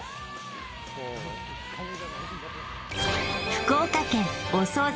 福岡県お惣菜